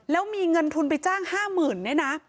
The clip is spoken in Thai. แล้วมีเงินทุนไปจ้าง๕๐๐๐ด้วยนะ